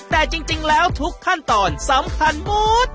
แต่จริงแล้วทุกขั้นตอนสำคัญหมด